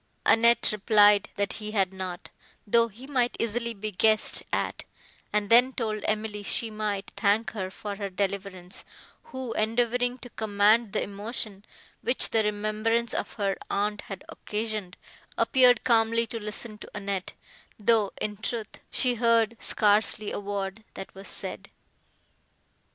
Annette replied, that he had not, though he might easily be guessed at; and then told Emily she might thank her for her deliverance, who, endeavouring to command the emotion, which the remembrance of her aunt had occasioned, appeared calmly to listen to Annette, though, in truth, she heard scarcely a word that was said.